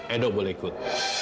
edo boleh ikut